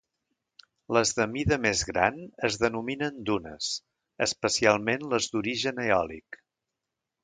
Les de mida més gran es denominen dunes, especialment les d'origen eòlic.